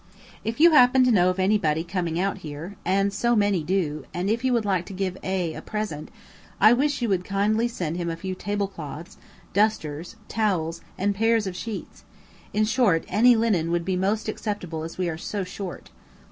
If you happen to know of anybody coming out here, and so many do, and you would like to give A a present, I wish you would kindly send him a few table cloths, dusters, towels, and pairs of sheets; in short any linen would be most acceptable as we are so short.